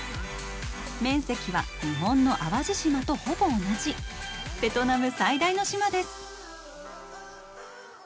面積は日本の淡路島とほぼ同じ、ベトナム最大の島です。